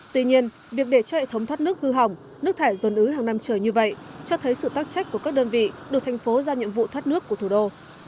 tuy nhiên việc để cho hệ thống thoát nước hư hỏng nước thải dồn ứ hàng năm trở như vậy cho thấy sự tác trách của các đơn vị được thành phố ra nhiệm vụ thoát nước của thủ đô